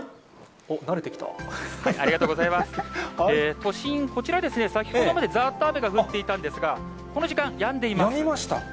都心、こちらは先ほどまでざーっと雨が降っていたんですが、この時間、やみました。